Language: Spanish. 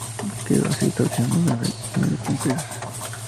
Quedó así establecida una nueva línea de fronteras.